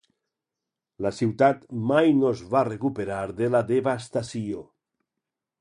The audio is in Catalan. La ciutat mai no es va recuperar de la devastació.